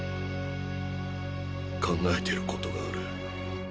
考えてる事がある。